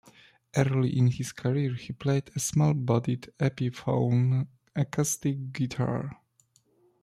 Early in his career he played a small-bodied Epiphone acoustic guitar.